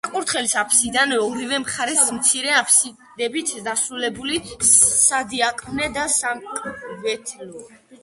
საკურთხევლის აფსიდას ორივე მხარეს მცირე აფსიდებით დასრულებული სადიაკვნე და სამკვეთლოა.